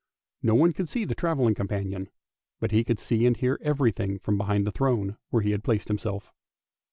No one could see the travelling com panion, but he could see and hear even thing from behind the throne, where he had placed himself.